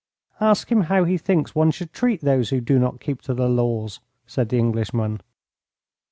"Ask him how he thinks one should treat those who do not keep to the laws," said the Englishman.